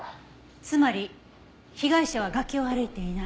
つまり被害者は崖を歩いていない。